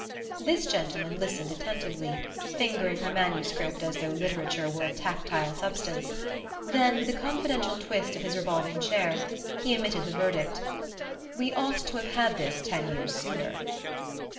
This gentleman listened attentively, fingering her manuscript as though literature were a tactile substance; then, with a confidential twist of his revolving chair, he emitted the verdict: "We ought to have had this ten years sooner."